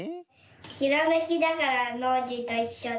ひらめきだからノージーといっしょで。